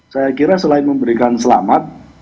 saya kira selain memberikan selamat